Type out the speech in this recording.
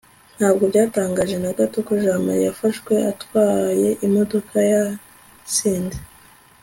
ntabwo byantangaje na gato ko jamali yafashwe atwaye imodoka yasinze